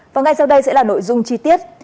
và ngay sau đây sẽ là nội dung chi tiết